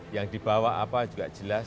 yang dibawa apa juga jelas